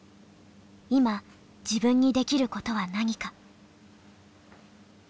今自分にできることは何か。